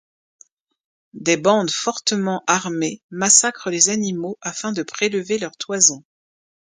Des bandes fortement armées massacrent les animaux afin de prélever leur toison.